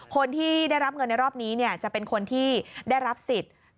คนที่ได้รับเงินในรอบนี้จะเป็นคนที่ได้รับสิทธิ์